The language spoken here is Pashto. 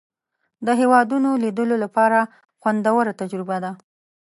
د هېوادونو لیدلو لپاره خوندوره تجربه ده.